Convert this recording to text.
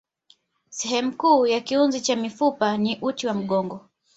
Sehemu kuu ya kiunzi cha mifupa ni uti wa mgongo.